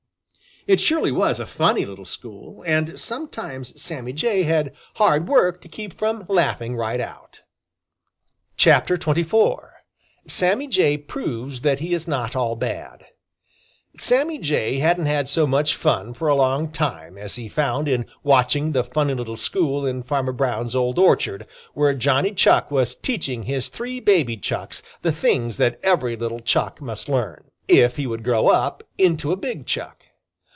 It surely was a funny little school, and sometimes Sammy Jay had hard work to keep from laughing right out. XXIV. SAMMY JAY PROVES THAT HE IS NOT ALL BAD Sammy Jay hadn't had so much fun for a long time as he found in watching the funny little school in Farmer Brown's old orchard, where Johnny Chuck was teaching his three baby Chucks the things that every little Chuck must learn, if he would grow up into a big Chuck.